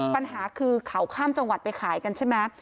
ปัญหาคือเขาข้ามจังหวัดไปขายกันใช่ไหม